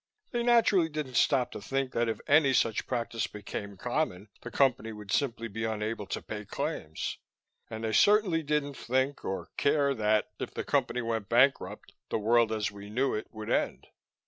They naturally didn't stop to think that if any such practice became common the Company would simply be unable to pay claims. And they certainly didn't think, or care that, if the Company went bankrupt, the world as we knew it would end.